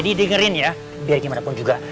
lady dengerin ya biar gimana pun juga